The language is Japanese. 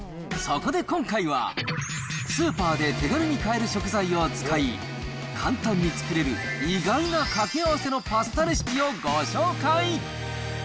そこで今回は、スーパーで手軽に買える食材を使い、簡単に作れる意外な掛け合わせのパスタレシピをご紹介。